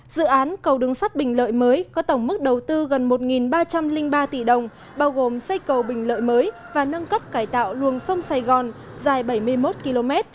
dự án cầu đường sắt bình lợi mới có tổng mức đầu tư gần một ba trăm linh ba tỷ đồng bao gồm xây cầu bình lợi mới và nâng cấp cải tạo luồng sông sài gòn dài bảy mươi một km